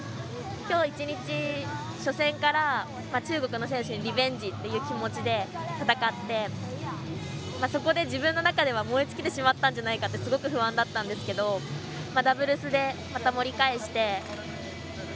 きょう１日、初戦から中国の選手にリベンジっていう気持ちで戦って、そこで自分の中では燃え尽きてしまったんじゃないかなって、すごく不安だったんですけどダブルスでまた盛り返して。